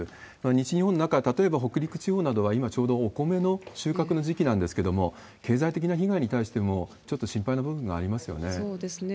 西日本なんかは、例えば北陸地方などは今ちょうどお米の収穫の時期なんですけれども、経済的な被害に関しても、ちょっと心配な部そうですね。